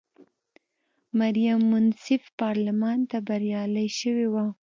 مریم منصف پارلمان ته بریالی شوې وه.